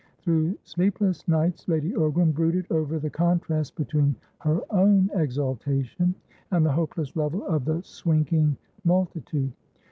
Through sleepless nights, Lady Ogram brooded over the contrast between her own exaltation and the hopeless level of the swinking multitude.